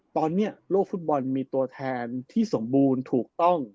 ตอนนี้โลกฟุตบอลมีตัวแทนที่สมบูรณ์ถูกต้อง